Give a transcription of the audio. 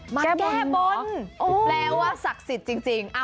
แก้บนแปลว่าศักดิ์สิทธิ์จริง